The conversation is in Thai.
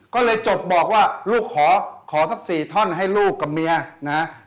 ก็เลยจบบอกว่าลูกขอทั้งสี่ท่อนให้ลูกกับเมียนะครับ